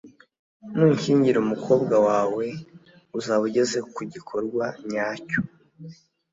nushyingira umukobwa wawe, uzaba ugeze ku gikorwa nyacyo